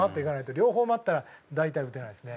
両方待ってたら大体打てないですね。